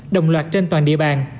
đồng loạt trên toàn địa bàn